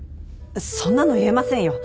そんなの言えませんよ。